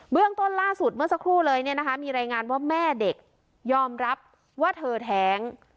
เรื่องต้นล่าสุดเมื่อสักครู่เลยเนี่ยนะคะมีรายงานว่าแม่เด็กยอมรับว่าเธอแท้ง